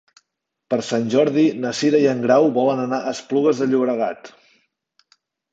Per Sant Jordi na Cira i en Grau volen anar a Esplugues de Llobregat.